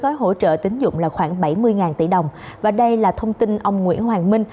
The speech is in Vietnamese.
gói hỗ trợ tín dụng là khoảng bảy mươi tỷ đồng và đây là thông tin ông nguyễn hoàng minh